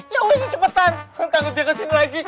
ya udah cepetan tangguh dia kesini lagi